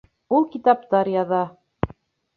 Ул китаптар яҙа